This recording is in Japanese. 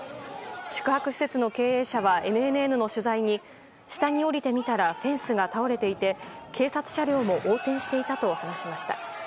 宿泊施設の経営者はＮＮＮの取材に下に下りてみたらフェンスが倒れていて警察車両も横転していたと話しました。